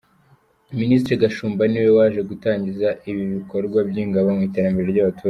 Ministre Gashumba niwe waje gutangiza ibi bikorwa by’Ingabo mu iterambere ry’abaturage.